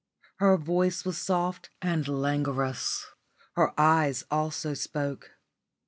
Her voice was soft and languorous; her eyes also spoke.